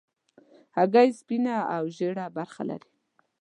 هګۍ سپینه او ژېړه برخه لري.